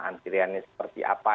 antiriannya seperti apa